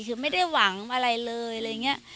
คือไม่ได้หวังอะไรเลยอะไรอย่างนี้